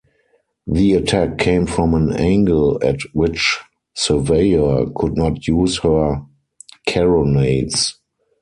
The attack came from an angle at which "Surveyor" could not use her carronades.